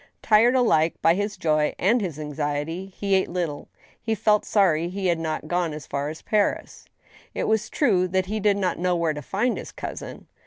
Tired alike by his joy and his anxiety, he ate little. He felt sorry he had not gpne as far as Paris. It was true that he did not know where to find his cousin.